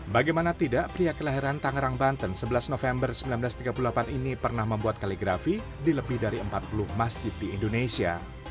bagaimana tidak pria kelahiran tangerang banten sebelas november seribu sembilan ratus tiga puluh delapan ini pernah membuat kaligrafi di lebih dari empat puluh masjid di indonesia